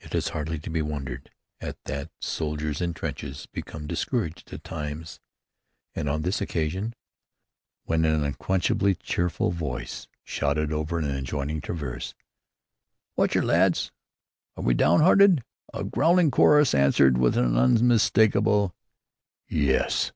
It is hardly to be wondered at that soldiers in trenches become discouraged at times, and on this occasion, when an unquenchably cheerful voice shouted over an adjoining traverse, "Wot che'r, lads! Are we downhearted?" a growling chorus answered with an unmistakable, "YES!"